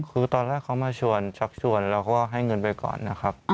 คือตอนแรกเขามาชวนชักชวนเราก็ให้เงินไปก่อนนะครับ